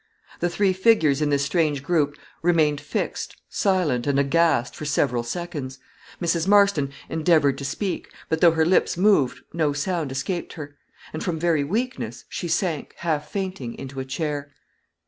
The three figures in this strange group remained fixed, silent, and aghast, for several seconds. Mrs. Marston endeavored to speak; but, though her lips moved, no sound escaped her; and, from very weakness, she sank, half fainting, into a chair.